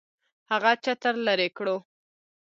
هغه چتر لري کړو.